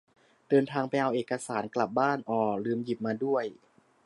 เดินทางไปเอาเอกสาร กลับบ้าน อ่อ ลืมหยิบมาด้วย